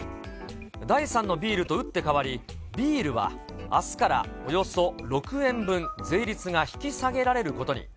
第３のビールと打って変わり、ビールはあすからおよそ６円分、税率が引き下げられることに。